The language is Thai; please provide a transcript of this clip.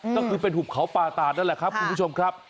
ก็คือเป็นหุบเขาป่าตาดนั่นแหละครับคุณผู้ชมครับ